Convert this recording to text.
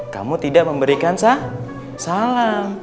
kamu tidak memberikan salam